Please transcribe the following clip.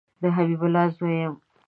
د حبیب الله زوی یم